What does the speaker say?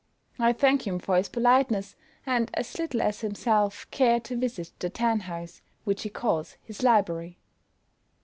I thank him for his politeness, and as little as himself care to visit the tan house, which he calls his library."